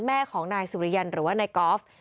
แม่ของนายสุริยันหรือว่านายกอล์ฟ